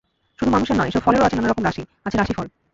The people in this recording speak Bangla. শুধু মানুষের নয়, এসব ফলেরও আছে নানা রকম রাশি, আছে রাশিফল।